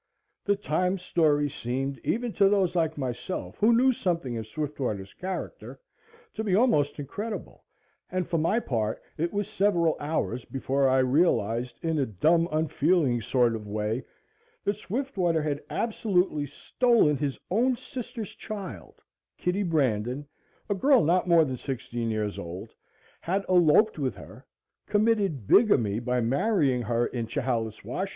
The Times' story seemed, even to those like myself, who knew something of Swiftwater's character, to be almost incredible, and for my part it was several hours before I realized, in a dumb unfeeling sort of a way, that Swiftwater had absolutely stolen his own sister's child Kitty Brandon a girl not more than sixteen years old, had eloped with her, committed bigamy by marrying her in Chehalis, Wash.